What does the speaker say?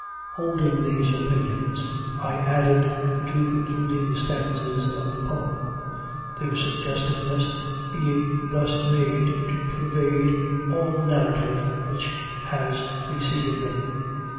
Holding these opinions, I added the two concluding stanzas of the poem their suggestiveness being thus made to pervade all the narrative which has preceded them.